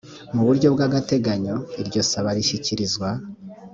mu buryo bw agateganyo. iryo saba rishyikirizwa